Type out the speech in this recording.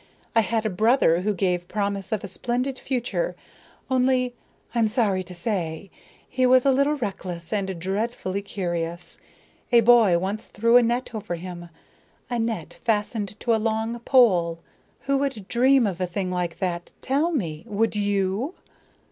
I had a brother who gave promise of a splendid future, only, I'm sorry to say, he was a little reckless and dreadfully curious. A boy once threw a net over him, a net fastened to a long pole. Who would dream of a thing like that? Tell me. Would you?"